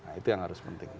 nah itu yang harus penting